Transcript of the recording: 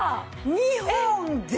２本で！？